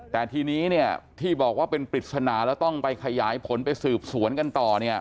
แต่ทีนี้ที่บอกว่าเป็นปริศนาแล้วต้องไปขยายผลไปสืบสวนกันต่อ